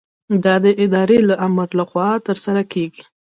دا د ادارې د آمر له خوا ترسره کیږي.